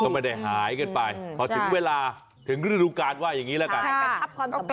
ก็ไม่ได้หายกันไปพอถึงเวลาถึงฤดูการว่าอย่างนี้แล้วกัน